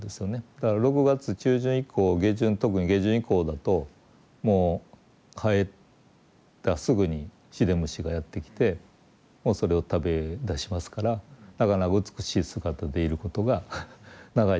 ただ６月中旬以降下旬特に下旬以降だともう生えたすぐにシデムシがやって来てもうそれを食べだしますからだから美しい姿でいることが長い時間続かないというか。